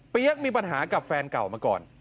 มีปัญหากับแฟนเก่ามาก่อน